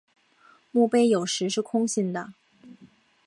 墓碑有时是空心的。